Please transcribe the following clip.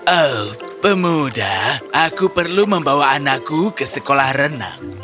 oh pemuda aku perlu membawa anakku ke sekolah renang